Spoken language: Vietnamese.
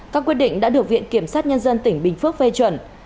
các quyết định đã được viện kiểm sát nhân dân tỉnh bình phước phê chuẩn